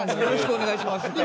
よろしくお願いします。